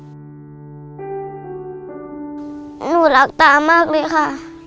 หนูรักตามากเลยค่ะ